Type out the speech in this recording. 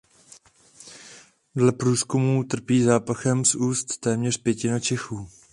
Dle průzkumů trpí zápachem z úst téměř pětina Čechů.